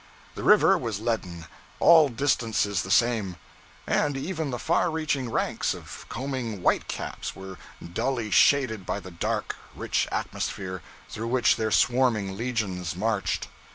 The river was leaden; all distances the same; and even the far reaching ranks of combing white caps were dully shaded by the dark, rich atmosphere through which their swarming legions marched.